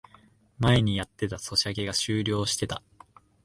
前にやってたソシャゲが終了してた